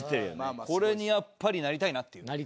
これにやっぱりなりたいなっていう。